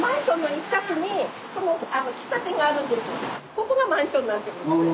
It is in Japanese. ここがマンションになってます。